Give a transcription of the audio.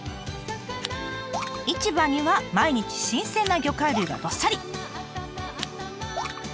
市場には毎日新鮮な魚介類がどっさり。